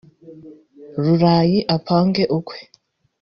Rurayi apange ukwe